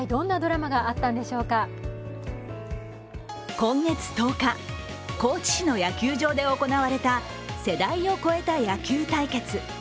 今月１０日、高知市の野球場で行われた、世代を超えた野球対決。